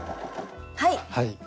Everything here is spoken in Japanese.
はい。